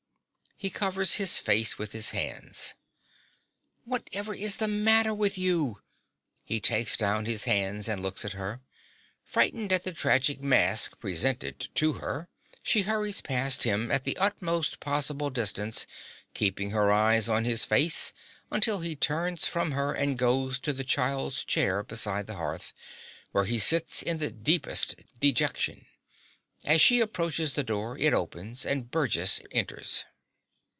(He covers his face with his hands.) Whatever is the matter with you! (He takes down his hands and looks at her. Frightened at the tragic mask presented to her, she hurries past him at the utmost possible distance, keeping her eyes on his face until he turns from her and goes to the child's chair beside the hearth, where he sits in the deepest dejection. As she approaches the door, it opens and Burgess enters.